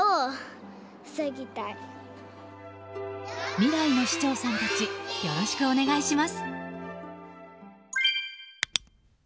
未来の市長さんたちよろしくお願いします！